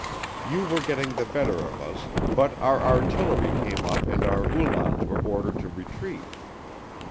You were getting the better of us, but our artillery came up and our Uhlans were ordered to retreat.